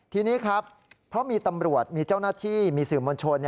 ทีนี้ครับเพราะมีตำรวจมีเจ้าหน้าที่มีสื่อมวลชน